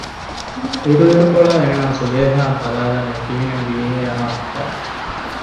އިރުއިރުކޮޅާ އޭނާ ޒުލޭހާއަށް ބަލާލަނީ ކިހިނެއްވީހޭ އަހާ ފަދައިން